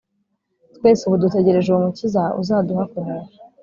Twese ubu dutegereje uwo mukiza uzaduha kunesha